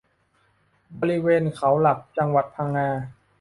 บริเวณเขาหลักจังหวัดพังงา